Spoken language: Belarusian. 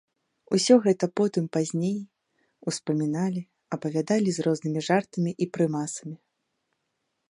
Усё гэта потым, пазней, успаміналі, апавядалі з рознымі жартамі і прымасамі.